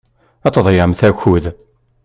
Ad tḍeyyɛemt akud.